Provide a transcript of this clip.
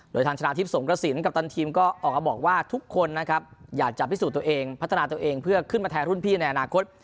โดยทางชนะทิพย์สงกระสินกัปตันทีมก็ออกมาบอกว่าทุกคนนะครับอยากจะพิสูจน์ตัวเองพัฒนาตัวเองเพื่อขึ้นมาแทนรุ่นพี่ในอนาคต